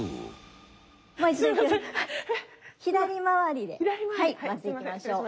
左回りで回っていきましょう。